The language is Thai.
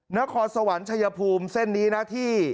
นครสวรรค์ชายภูมิเส้นนี้นะที่